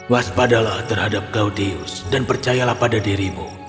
waspadalah terhadap gauteus dan percayalah pada dirimu